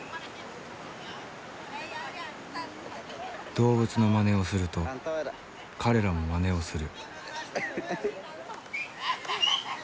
動物のまねをすると彼らもまねをする。